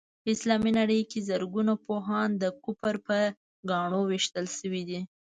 په اسلامي نړۍ کې زرګونه پوهان د کفر په ګاڼو ويشتل شوي دي.